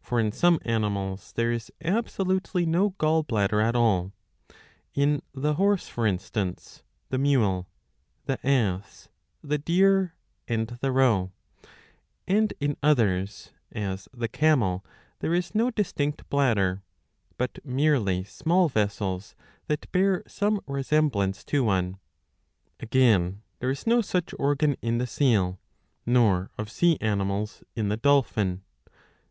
For in some animals there is absolutely no" gall bladder at all, in the horse for instance, the mule, the ass, the deer, and the roe ; and in others, as the camel, there is no distinct bladder," but merely small vessels that bear some resemblance to one.^ Again there is no such organ in the seal, nor, of sea animals, in the dolphin.'